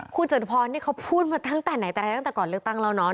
คุณจัตุพรเนี่ยเขาพูดมาตั้งแต่ไหนตั้งแต่ก่อนเลือกตั้งเราเนาะ